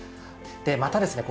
でまたですね